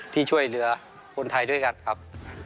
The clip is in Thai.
ที่ช่วยเหลือคนไทยด้วยกันครับ